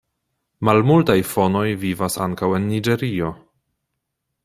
Malmultaj fonoj vivas ankaŭ en Niĝerio.